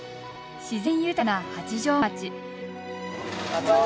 自然豊かな八丈町。